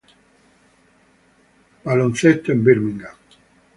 Basketball en Birmingham.